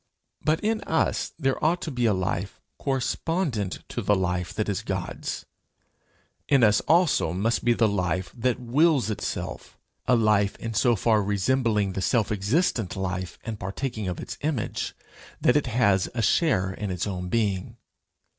But in us there ought to be a life correspondent to the life that is God's; in us also must be the life that wills itself a life in so far resembling the self existent life and partaking of its image, that it has a share in its own being.